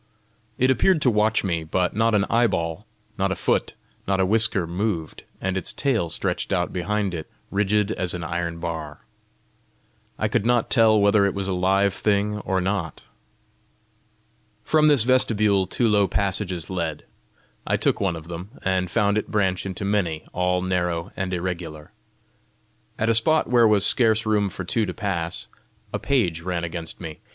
It appeared to watch me, but not an eyeball, not a foot, not a whisker moved, and its tail stretched out behind it rigid as an iron bar. I could not tell whether it was a live thing or not. From this vestibule two low passages led; I took one of them, and found it branch into many, all narrow and irregular. At a spot where was scarce room for two to pass, a page ran against me.